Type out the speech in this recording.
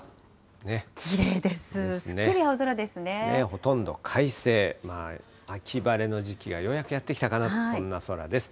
ほとんど快晴、秋晴れの時期がようやくやってきたかなと、そんな空です。